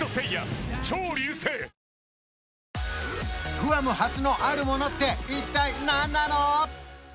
グアム初のあるものって一体何なの？